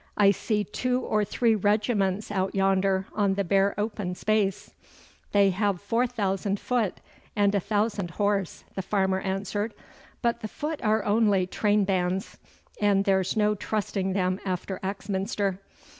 'I see two or three regiments out yonder on the bare open space.' 'They have four thousand foot and a thousand horse,' the farmer answered. 'But the foot are only train bands, and there's no trusting them after Axminster.